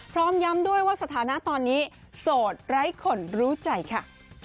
พร้อมย้ำด้วยว่าสถานะตอนนี้โสดไร้คนรู้ใจค่ะ